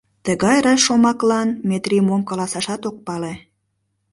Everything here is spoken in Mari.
Тыгай раш шомаклан Метрий мом каласашат ок пале.